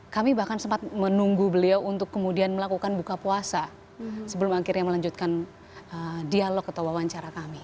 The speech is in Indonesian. kami bahkan sempat menunggu beliau untuk kemudian melakukan buka puasa sebelum akhirnya melanjutkan dialog atau wawancara kami